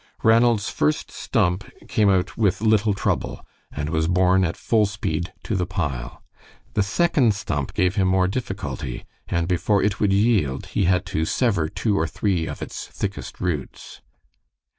Ranald's first stump came out with little trouble, and was borne at full speed to the pile. The second stump gave him more difficulty, and before it would yield he had to sever two or three of its thickest roots.